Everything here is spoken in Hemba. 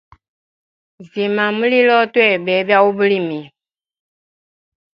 Zima mulilo twene bebya ubulimi.